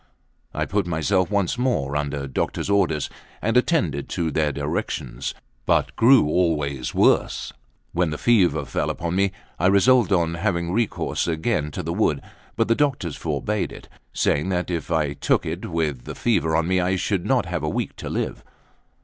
I put myself once more under doctors' orders, and attended to their directions, but grew always worse. When the fever fell upon me, I resolved on having recourse again to the wood; but the doctors forbade it, saying that I took if it with the fever on me, I should not have a week to live.